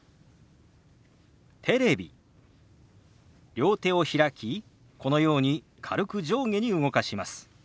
両手を開きこのように軽く上下に動かします。